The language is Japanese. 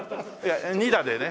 ２打でね。